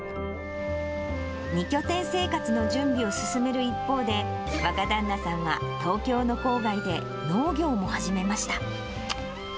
２拠点生活の準備を進める一方で、若旦那さんは東京の郊外で農業も始めました。